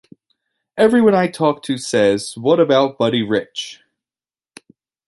Everyone I talk to says 'What about Buddy Rich?